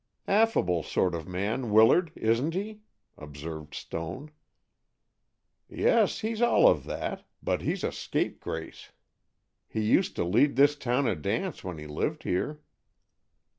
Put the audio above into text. "Affable sort of man, Willard, isn't he?" observed Stone. "Yes, he's all of that, but he's a scapegrace. He used to lead this town a dance when he lived here."